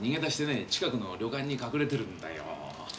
近くの旅館に隠れてるんだよ。